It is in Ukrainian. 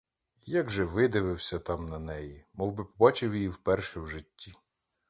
Як же видивився там на неї, мовби побачив її вперше в житті!